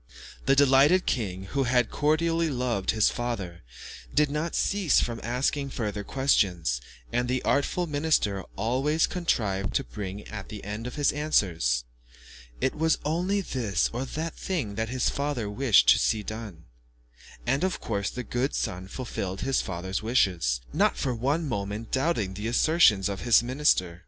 The delighted king, who had cordially loved his father, did not cease from asking further questions, and the artful minister always contrived to bring in at the end of his answers "It was only this or that thing that the father wished to see done," and of course the good son fulfilled his father's wishes, not for one moment doubting the assertions of his minister.